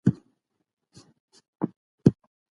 راسه چي زړه مي